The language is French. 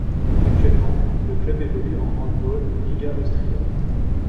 Actuellement, le club évolue en Handball Liga Austria.